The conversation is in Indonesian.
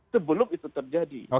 sebelum itu terjadi